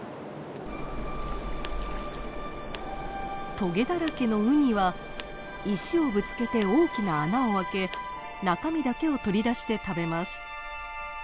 トゲだらけのウニは石をぶつけて大きな穴を開け中身だけを取り出して食べます。